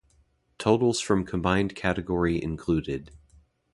Totals from combined category included.